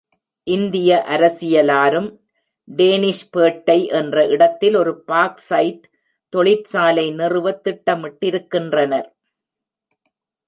இந்திய அரசியலாரும் டேனிஷ்பேட்டை என்ற இடத்தில் ஒரு பாக்சைட் தொழிற்சாலை நிறுவத் திட்டமிட்டிருக்கின்றனர்.